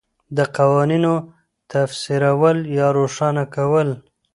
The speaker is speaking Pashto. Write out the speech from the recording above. د قوانینو تفسیرول یا روښانه کول